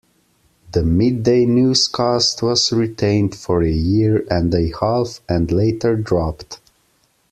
The midday newscast was retained for a year and a half and later dropped.